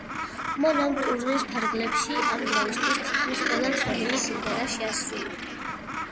მან ამ ტურნეს ფარგლებში იმ დროისთვის თითქმის ყველა ცნობილი სიმღერა შეასრულა.